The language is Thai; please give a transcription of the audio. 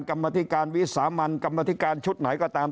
กรรมธิการวิสามันกรรมธิการชุดไหนก็ตาม